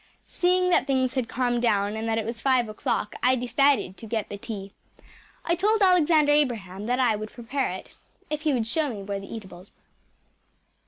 Seeing that things had calmed down and that it was five o’clock I decided to get tea. I told Alexander Abraham that I would prepare it, if he would show me where the eatables were.